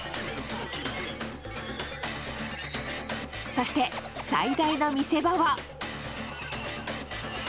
そして最大の見せ場は。